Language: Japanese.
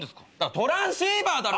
トランシーバーだろ！